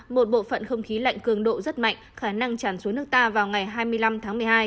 một bộ phận không khí lạnh cường độ rất mạnh khả năng tràn xuống nước ta vào ngày hai mươi năm tháng một mươi hai